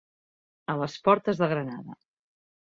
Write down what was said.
A les portes de Granada.